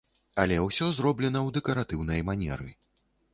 Але ўсе зроблена ў дэкаратыўнай манеры.